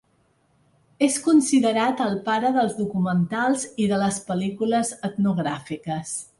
És considerat el "pare" dels documentals i de les pel·lícules etnogràfiques.